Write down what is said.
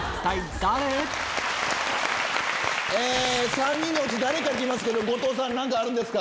３人のうち誰か来ますけど後藤さん何かあるんですか？